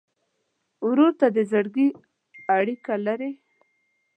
ورور ته د زړګي اړیکه لرې.